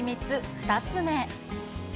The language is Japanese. ２つ目。